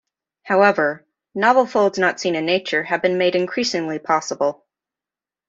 However, novel folds not seen in nature have been made increasingly possible.